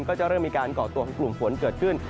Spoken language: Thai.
ก็จะเริ่มมีการก่อตัวของกลุ่มฝนเกิดขึ้น